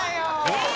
えっ！